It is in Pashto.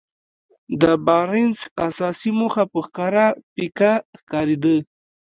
د بارنس اساسي موخه په ښکاره پيکه ښکارېده.